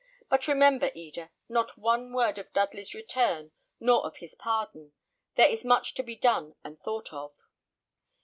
But remember, Eda, not one word of Dudley's return nor of his pardon. There is much to be done and thought of."